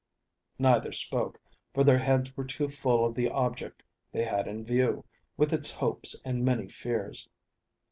Neither spoke, for their heads were too full of the object they had in view, with its hopes and many fears.